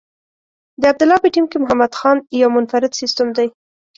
د عبدالله په ټیم کې محمد خان یو منفرد سیسټم دی.